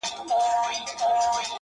o ماته دي د سر په بيه دوه جامه راکړي دي؛